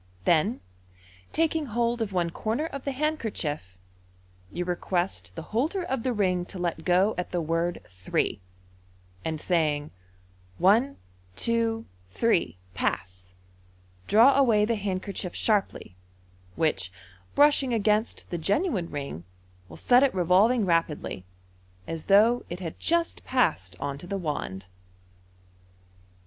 Then, taking hold of one corner of the handkerchief, you request the holder of the ring to let go at the word " Three," and saying, u One, two, three — Pass !" draw away the handkerchief sharply, which, brushing against the genuine ring, will set it revolving rapidly, as though it had just passed on to the wand.